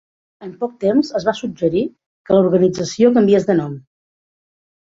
En poc temps es va suggerir que l'organització canviés de nom.